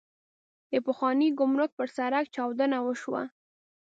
د پخواني ګمرک پر سړک چاودنه وشوه.